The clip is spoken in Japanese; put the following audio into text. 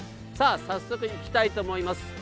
早速、いきたいと思います。